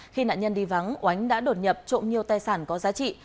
khi nạn nhân đi vắng oánh đã đột nhập trộm nhiều tài sản có giá trị